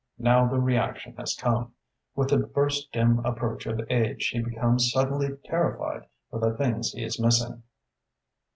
Now the reaction has come. With the first dim approach of age, he becomes suddenly terrified for the things he is missing."